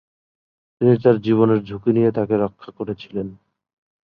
তিনি তার জীবনের ঝুঁকি নিয়ে তাকে রক্ষা করেছিলেন।